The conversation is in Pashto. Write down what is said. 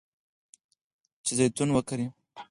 چې زیتون وکري.